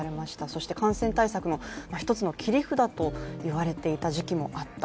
そして感染対策の一つの切り札と言われていた時期もあった。